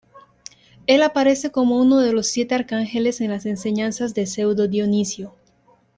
Él aparece como uno de los siete arcángeles en las enseñanzas de Pseudo Dionisio.